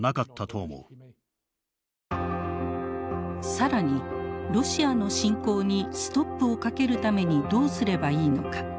更にロシアの侵攻にストップをかけるためにどうすればいいのか。